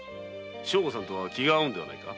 正吾さんとは気が合うんではないか。